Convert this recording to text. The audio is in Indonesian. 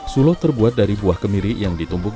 sulo terbuat dari buah kemiri yang ditumbuk